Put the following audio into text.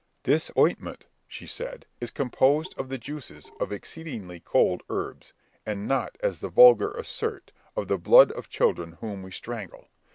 "This ointment," she said, "is composed of the juices of exceedingly cold herbs, and not, as the vulgar assert, of the blood of children whom we strangle.